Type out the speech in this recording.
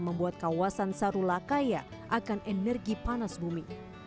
membuat kawasan sarula kaya akan energi panas bumi